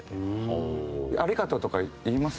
「ありがとう」とか言います？